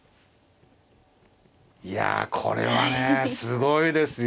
いやこれはねすごいですよ。